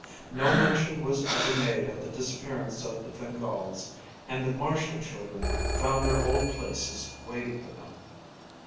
No mention was ever made of the disappearance of the Fingáls, and the Marshall children found their old places waiting for them.